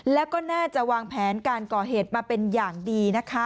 แล้วก็น่าจะวางแผนการก่อเหตุมาเป็นอย่างดีนะคะ